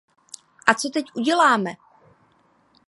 A co teď uděláme?